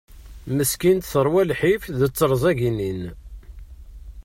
Meskint terwa lḥif d terẓaganin.